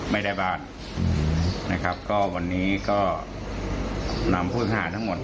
ไม่ได้บ้านวันนี้ก็นำผู้เสียหายทั้งหมด